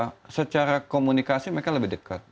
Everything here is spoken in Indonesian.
karena secara komunikasi mereka lebih dekat